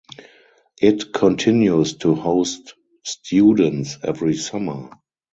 It continues to host students every summer.